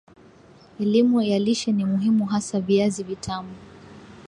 Elimu ya Lishe ni muhimu hasa Viazi Vitamu